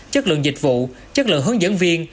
chất lượng dịch vụ chất lượng hướng dẫn viên